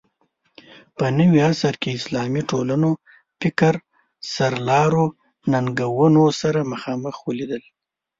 په نوي عصر کې اسلامي ټولنو فکر سرلارو ننګونو سره مخامخ ولیدل